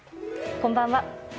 こんばんは。